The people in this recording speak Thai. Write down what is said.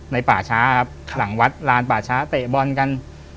ป่าช้าครับหลังวัดลานป่าช้าเตะบอลกัน